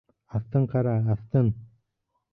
Аҫтын ҡара, аҫтын!